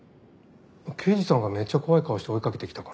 刑事さんがめっちゃ怖い顔して追いかけてきたから。